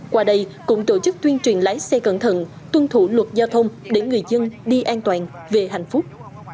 qua đây cũng tổ chức tuyên truyền lái xe cẩn thận tuân thủ luật giao thông để người dân đi an toàn về hạnh phúc